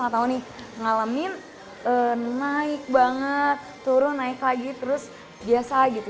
lima tahun nih ngalamin naik banget turun naik lagi terus biasa gitu